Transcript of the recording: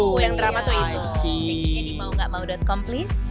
checknya di maunggakmau com please